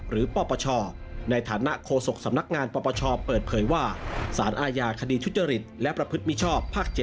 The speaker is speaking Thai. รายงานประประชอบเปิดเผยว่าสารอาญาคดีชุจริตและประพฤติมิชชอบภาค๗